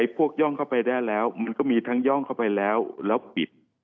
ย่องเข้าไปได้แล้วมันก็มีทั้งย่องเข้าไปแล้วแล้วปิด